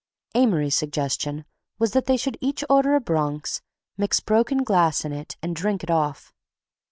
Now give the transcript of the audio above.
Amory's suggestion was that they should each order a Bronx, mix broken glass in it, and drink it off.